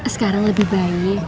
sekarang lebih baik